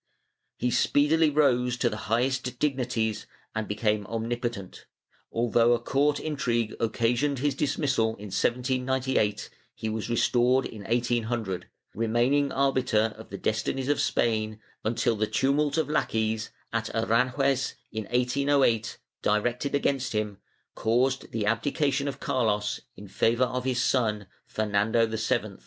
He speedily rose to the highest dignities and became omnipotent; although a court intrigue occasioned his dismissal in 1798, he was restored in 1800, remaining arbiter of the destinies of Spain, until the "Tumult of Lackeys," at Aranjuez, in 1808, directed against him, caused the abdication of Carlos in favor of his son Fernando VII.